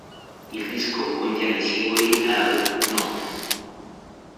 Il disco contiene i singoli "Hell No!